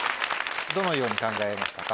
どのように考えましたか？